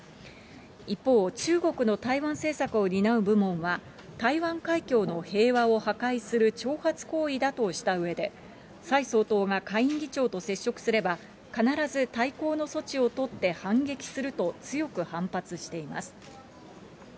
一方、中国の台湾政策を担う部門は、台湾海峡の平和を破壊する挑発行為だとしたうえで、蔡総統が下院議長と接触すれば、必ず対抗の措置を取って反撃すると強く反発しています。